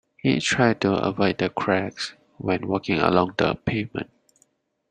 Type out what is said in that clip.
He tried to avoid the cracks when walking along the pavement